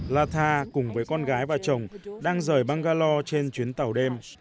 latha cùng với con gái và chồng đang rời bangalore trên chuyến tàu đêm